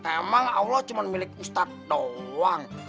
emang allah cuma milik ustadz doang